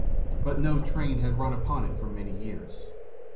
But no train had run upon it for many years.